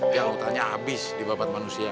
dia hutannya habis di babat manusia